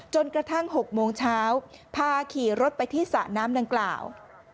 จนกระทั่ง๖โมงเช้าพาขี่รถไปที่สระน้ำดังกล่าว